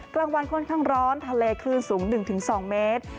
กลางวันค่อนข้างร้อนทะเลคลื่นสูง๑๒เมตร